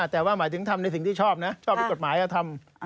แต่ว่าหมายถึงทำในสิ่งที่ชอบนะชอบในกฎหมายก็ทำ